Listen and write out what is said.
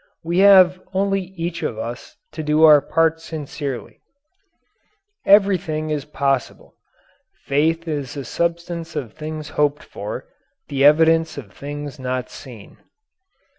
We have only each of us to do our parts sincerely. Everything is possible ... "faith is the substance of things hoped for, the evidence of things not seen."